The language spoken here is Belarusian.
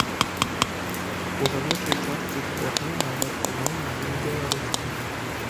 У жаночай частцы зборнай нават няма ні адной беларускі!